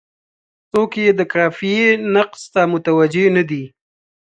څوک یې د قافیې نقص ته متوجه نه دي.